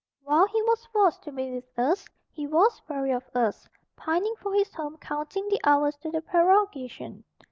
While he was forced to be with us, he was weary of us, pining for his home, counting the hours to the prorogation.